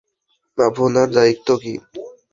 আপনার দায়িত্ব কী?